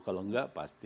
kalau enggak pasti